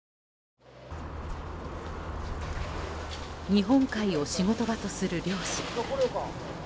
日本海を仕事場とする漁師。